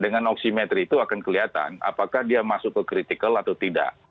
dengan oksimetri itu akan kelihatan apakah dia masuk ke critical atau tidak